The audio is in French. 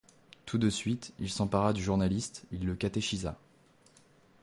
Tout de suite, il s'empara du journaliste, il le catéchisa.